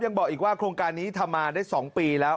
บอกอีกว่าโครงการนี้ทำมาได้๒ปีแล้ว